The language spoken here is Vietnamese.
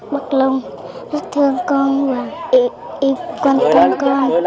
bắc long rất thương con và yêu con tất cả